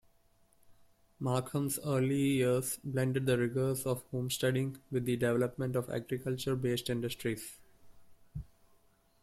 Markham's early years blended the rigours of homesteading with the development of agriculture-based industries.